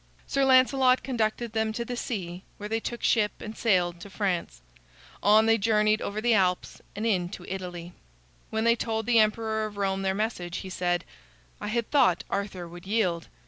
Sir Lancelot conducted them to the sea, where they took ship and sailed to France. On they journeyed over the Alps and into Italy. When they told the emperor of Rome their message, he said: "I had thought Arthur would yield."